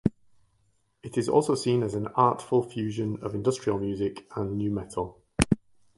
It is also seen as an "artful" fusion of industrial music and nu metal.